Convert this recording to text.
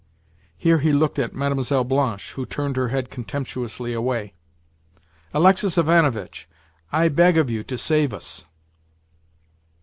(here he looked at Mlle. Blanche, who turned her head contemptuously away). "Alexis Ivanovitch, I beg of you to save us."